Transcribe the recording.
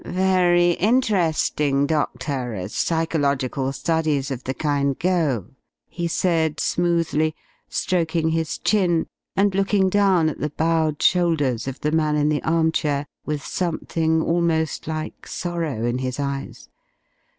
"Very interesting, Doctor, as psychological studies of the kind go," he said, smoothly, stroking his chin and looking down at the bowed shoulders of the man in the arm chair, with something almost like sorrow in his eyes.